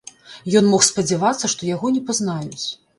Ён мог спадзявацца, што яго не пазнаюць.